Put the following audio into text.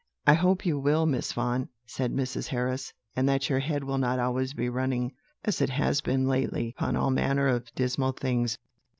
"'I hope you will, Miss Vaughan,' said Mrs. Harris; 'and that your head will not always be running, as it has been lately, upon all manner of dismal things.